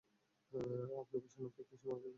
আপনি বাসায় না থাকলে সে মারা যাবে!